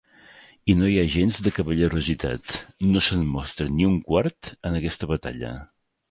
I no hi ha gens de cavallerositat, no se'n mostra ni un quart en aquesta batalla.